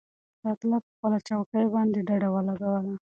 حیات الله په خپله چوکۍ باندې ډډه ولګوله.